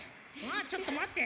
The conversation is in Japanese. ちょっとまって。